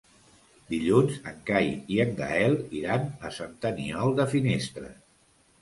Dilluns en Cai i en Gaël iran a Sant Aniol de Finestres.